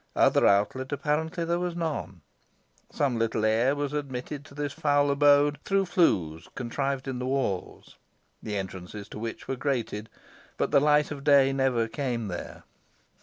Other outlet apparently there was none. Some little air was admitted to this foul abode through flues contrived in the walls, the entrances to which were grated, but the light of day never came there.